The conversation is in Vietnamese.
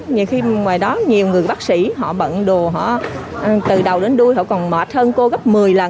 nhiều khi ngoài đó nhiều người bác sĩ họ bận đồ họ từ đầu đến đuôi họ còn mở thân cô gấp một mươi lần